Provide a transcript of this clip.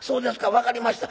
分かりました。